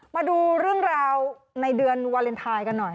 มาดูเรื่องราวในเดือนวาเลนไทยกันหน่อย